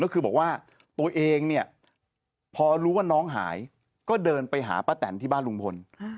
ก็คือบอกว่าตัวเองเนี่ยพอรู้ว่าน้องหายก็เดินไปหาป้าแตนที่บ้านลุงพล